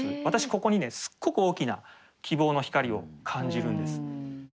ここにすごく大きな希望の光を感じるんです。